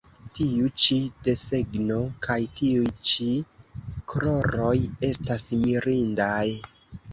Tiu ĉi desegno kaj tiuj ĉi koloroj estas mirindaj!